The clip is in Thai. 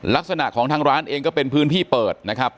ลักษณะของทางร้านเองก็เป็นพื้นที่เปิดนะครับ